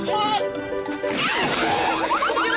ya allah be